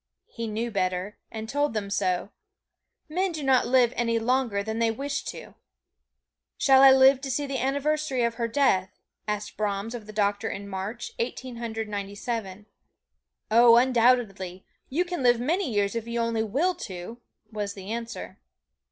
He knew better, and told them so. Men do not live any longer than they wish to. "Shall I live to see the anniversary of her death?" asked Brahms of the doctor in March, Eighteen Hundred Ninety seven. "Oh, undoubtedly you can live many years if you only will to," was the answer.